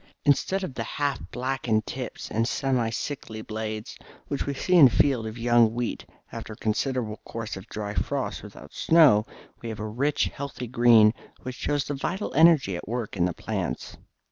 Instead of the half blackened tips and semi sickly blades, which we see in a field of young wheat after a considerable course of dry frost without snow, we have a rich, healthy green which shows the vital energy at work in the plants.